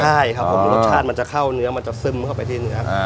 ใช่ครับผมรสชาติมันจะเข้าเนื้อมันจะซึมเข้าไปที่เนื้อ